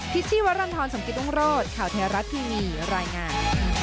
ทิศที่วรรณทรสมกิษฐงโรศข่าวเทราะทีมีรายงาน